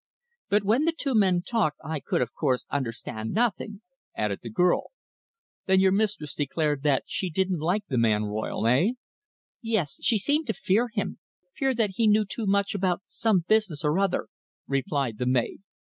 But when the two men talked I could, of course, understand nothing," added the girl. "Then your mistress declared that she didn't like the man Royle, eh?" "Yes; she seemed to fear him fear that he knew too much about some business or other," replied the maid.